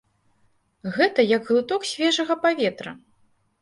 Гэта як глыток свежага паветра!